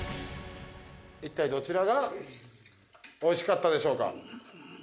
一体どちらがおいしかったでしょうか？